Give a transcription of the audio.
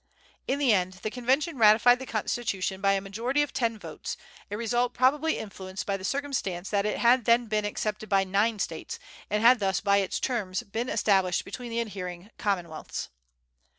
In the end the Convention ratified the Constitution by a majority of ten votes, a result probably influenced by the circumstance that it had then been accepted by nine States, and had thus by its terms been established between the adhering commonwealths.